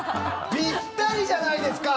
ぴったりじゃないですか！